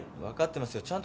分かってますよ。